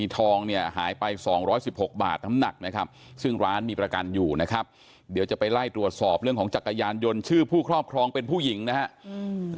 ต้องไปดูครอบครองเป็นผู้หญิงนะครับ